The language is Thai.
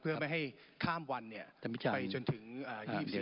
เพื่อไม่ให้ข้ามวันเนี่ยไปจนถึง๒๑